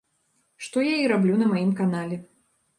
Што я і раблю на маім канале.